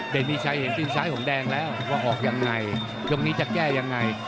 เป็นพี่ชัยเห็นตีนซ้ายของแดงแล้วว่าออกยังไงยกนี้จะแก้ยังไง